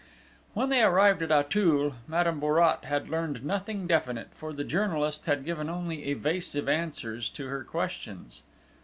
When they arrived at Auteuil, Madame Bourrat had learned nothing definite, for the journalist had given only evasive answers to her questions.